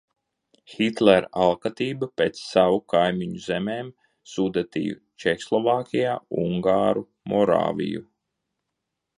Hitlera alkatība pēc savu kaimiņu zemēm, Sudetiju Čehoslovākijā, ungāru Morāviju.